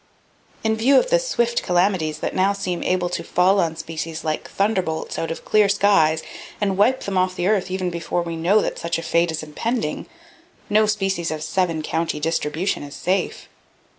In view of the swift calamities that now seem able to fall on species like thunderbolts out of clear skies, and wipe them off the earth even before we know that such a fate is [Page 22] impending, no species of seven county distribution is safe.